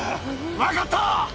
分かった！